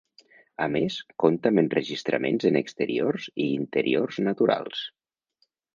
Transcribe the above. A més, compta amb enregistraments en exteriors i interiors naturals.